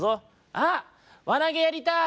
「あっわなげやりたい！」。